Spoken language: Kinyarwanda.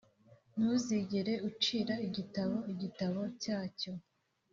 ntuzigere ucira igitabo igitabo cyacyo